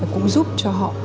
cũng giúp cho họ